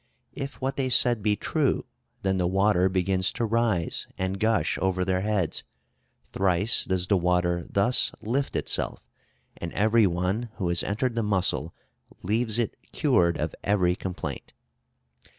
If what they said be true, then the water begins to rise and gush over their heads; thrice does the water thus lift itself, and every one who has entered the mussel leaves it cured of every complaint.